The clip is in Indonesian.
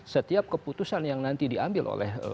setiap keputusan yang nanti diambil oleh